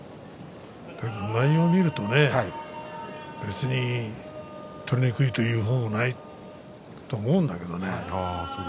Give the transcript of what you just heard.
内容見ると別に取りにくいということもないと思うんですけどね。